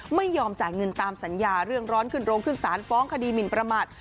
ไม่ยอมจ่ายเงินตามสัญญาเรื่องร้อนขึ้นโรงขึ้นศาลฟ้องคดีหมินประมาท